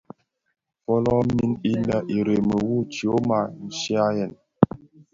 Fölömin innë irèmi wu tyoma nshiaghèn.